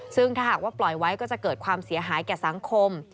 ซึ่งถ้าหากว่าปล่อยไว้ก็จะเกิดความเสียหายแก่สังคม